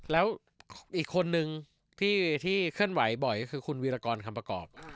แล้วอีกคนนึงที่เคลื่อนไหวบ่อยก็คือคุณวีรกรคำประกอบ